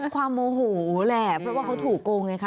ความโมโขแหล่ะเพราะเขาถูกลงอะค่ะ